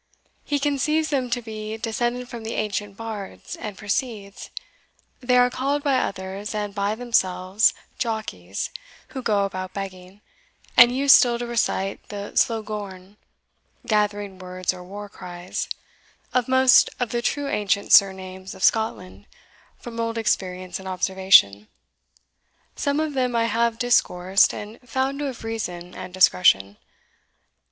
He conceives them to be descended from the ancient bards, and proceeds: "They are called by others, and by themselves, Jockies, who go about begging; and use still to recite the Sloggorne (gathering words or war cries) of most of the true ancient surnames of Scotland, from old experience and observation. Some of them I have discoursed, and found to have reason and discretion.